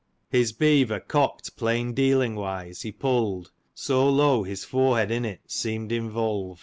" His beaver cock'd plain dealing wise, he pM'd So low, his forehead in it seem'd i/avoWd."